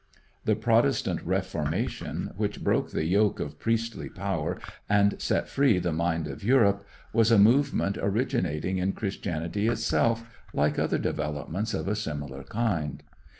The Protestant Reformation, which broke the yoke of priestly power and set free the mind of Europe, was a movement originating in Christianity itself, like other developments of a similar kind.